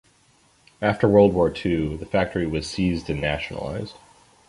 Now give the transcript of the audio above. After world war two, the factory was seized and nationalized.